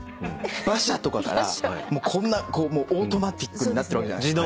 馬車とかからこんなオートマティックになってるわけじゃないっすか。